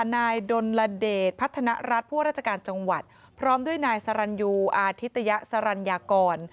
นายดลเดชพัฒนรัฐผู้ราชการจังหวัดพร้อมด้วยนายสรรยูอาทิตยสรรยากร